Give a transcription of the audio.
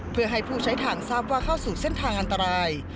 เพื่อให้ผู้ใช้ทางทราบว่าเข้าสู่เส้นทางอันตราย